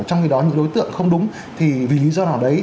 trong khi đó những đối tượng không đúng thì vì lý do nào đấy